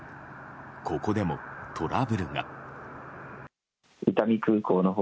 ここでもトラブルが。